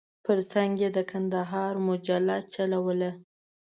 پر څنګ یې د کندهار مجله چلوله.